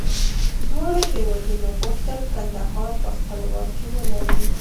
دواړو هېوادونو غوښتل کندهار په خپل واک کې ولري.